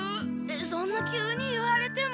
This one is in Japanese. そんな急に言われても。